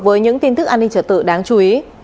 với những tin tức an ninh trở tự đáng chú ý